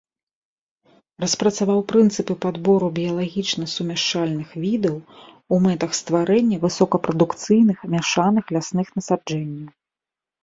Распрацаваў прынцыпы падбору біялагічна сумяшчальных відаў у мэтах стварэння высокапрадукцыйных мяшаных лясных насаджэнняў.